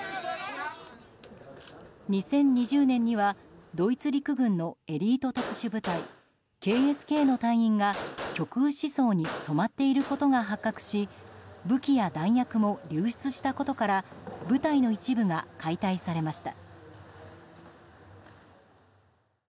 ２０２０年にはドイツ陸軍のエリート特殊部隊ＫＳＫの隊員が極右思想に染まっていることが発覚し武器や弾薬も流出したことから部隊の一部が解体されました。